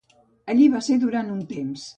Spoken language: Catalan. Allí va ser durant un temps.